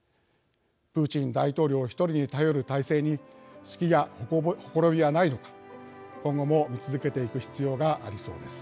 プーチン大統領１人に頼る体制に隙やほころびはないのか今後も見続けていく必要がありそうです。